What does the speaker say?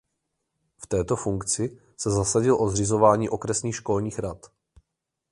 V této funkci se zasadil o zřizování okresních školních rad.